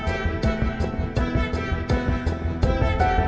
tidak bisa kehanyaan